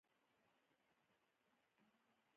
لږ احتیاط په کار دی.